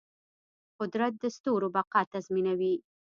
قدرت د ستورو بقا تضمینوي.